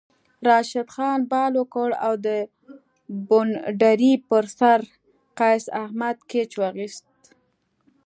راشد خان بال وکړ او د بونډرۍ پر سر قیص احمد کیچ واخیست